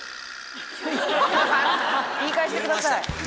言い返してください。